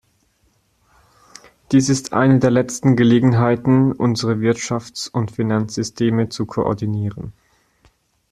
Dies ist eine der letzten Gelegenheiten, unsere Wirtschafts- und Finanzsysteme zu koordinieren.